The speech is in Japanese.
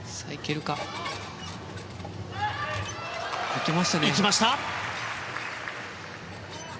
いきました！